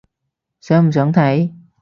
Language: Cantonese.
想唔想睇？